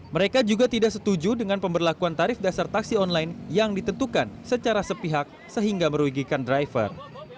mereka juga tidak setuju dengan pemberlakuan tarif dasar taksi online yang ditentukan secara sepihak sehingga merugikan driver